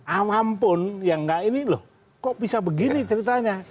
alhamdulillah yang enggak ini loh kok bisa begini ceritanya